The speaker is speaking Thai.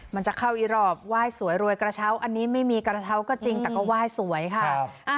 มันจะเข้าอีรอบไหว้สวยรวยกระเช้าอันนี้ไม่มีกระเท้าก็จริงแต่ก็ไหว้สวยค่ะ